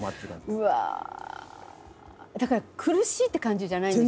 うわだから苦しいって感じじゃないんですよね。